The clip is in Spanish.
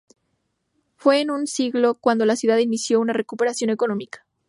Fue en ese siglo, cuando la ciudad inició una recuperación económica.